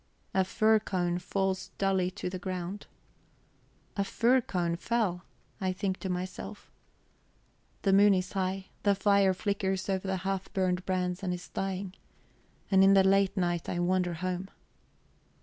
A fir cone falls dully to the ground. A fir cone fell! I think to myself. The moon is high, the fire flickers over the half burned brands and is dying. And in the late night I wander home.